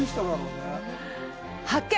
発見！